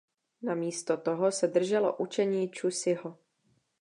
Namísto toho se drželo učení Ču Siho.